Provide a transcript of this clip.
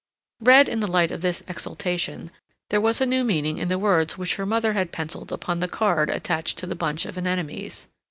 Read in the light of this exaltation, there was a new meaning in the words which her mother had penciled upon the card attached to the bunch of anemones.